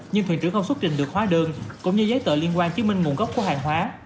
nhưng thuyền trưởng không xuất trình được hóa đơn cũng như giấy tờ liên quan chứng minh nguồn gốc của hàng hóa